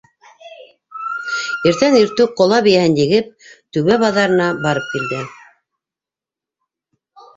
Иртән иртүк, ҡола бейәһен егеп, Түбә баҙарына барып килде.